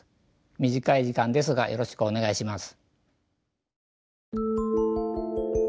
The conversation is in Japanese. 短い時間ですがよろしくお願いします。